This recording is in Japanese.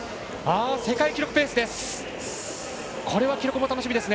世界記録ペースです。